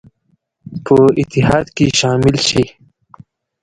په اتحاد کې شامل شي.